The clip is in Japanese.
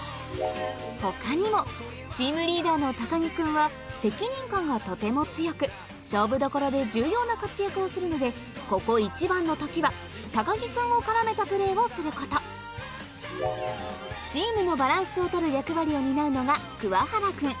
他にもチームリーダーの勝負どころで重要な活躍をするのでここ一番の時は木君を絡めたプレーをすることチームのバランスを取る役割を担うのが桑原君